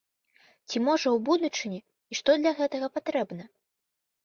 Ці можа ў будучыні, і што для гэтага патрэбна?